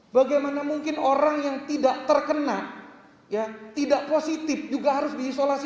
bagaimana mungkin orang yang tidak terkena tidak positif juga harus diisolasi